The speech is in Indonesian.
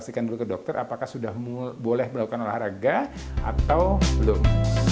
pastikan dulu ke dokter apakah sudah boleh melakukan olahraga atau belum